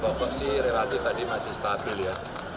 kalau bahan pokok sih relatif tadi masih stabil ya